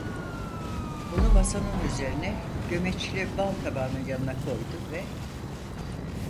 Bunu masanın üzerine, gömeçli bal tabağının yanına koydu ve: